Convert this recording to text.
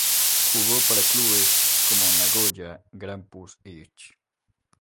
Jugó para clubes como el Nagoya Grampus Eight.